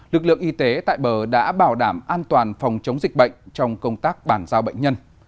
lực lượng y tế tại bờ đã bảo đảm an toàn phòng chống dịch bệnh trong công tác bàn giao bệnh nhân